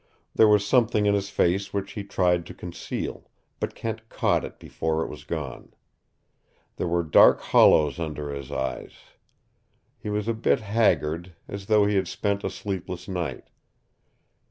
There was something in his face which he tried to conceal, but Kent caught it before it was gone. There were dark hollows under his eyes. He was a bit haggard, as though he had spent a sleepless night.